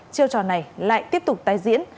chiêu trò này lại tiếp tục tái diễn